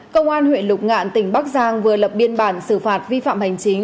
công an huyện lục ngạn tỉnh bắc giang vừa lập biên bản xử phạt vi phạm hành chính